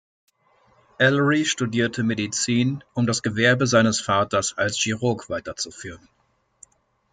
Ellery studierte Medizin, um das Gewerbe seines Vaters als Chirurg weiterzuführen.